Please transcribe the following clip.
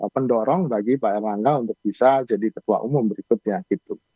pendorong bagi pak erlangga untuk bisa jadi ketua umum berikutnya gitu